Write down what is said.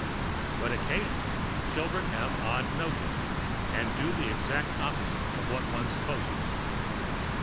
But occasionally children have odd notions, and do the exact opposite of what one supposes.